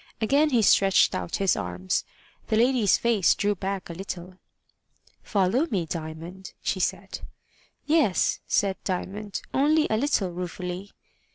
Again he stretched out his arms. The lady's face drew back a little. "Follow me, Diamond," she said. "Yes," said Diamond, only a little ruefully.